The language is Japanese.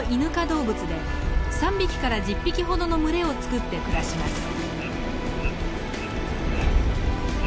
動物で３匹１０匹ほどの群れを作って暮らします。